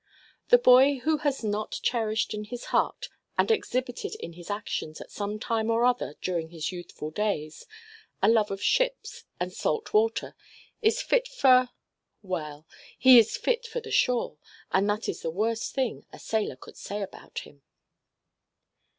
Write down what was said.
The boy who has not cherished in his heart and exhibited in his actions at sometime or other during his youthful days, a love of ships and salt water, is fit for—well, he is fit for the shore, and that is the worst thing a sailor could say about him!